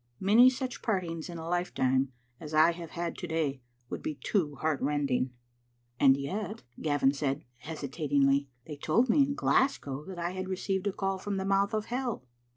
Many such partings in a lifetime as I have had to day would be too heartrending. " "And yet," Gavin said, hesitatingly, "they told me in Glasgow that I had received a call from the mouth of hell."